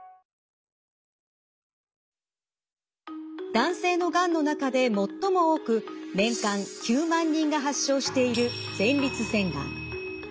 男性のがんの中で最も多く年間９万人が発症している前立腺がん。